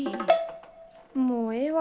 もうええわ。